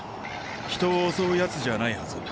人を襲うヤツじゃないはず。